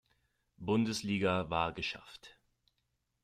Bundesliga war geschafft.